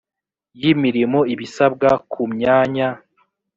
y imirimo ibisabwa ku myanya